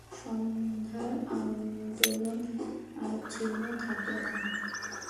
সন্ধ্যার আনন্দের আর চিহ্ন থাকে না।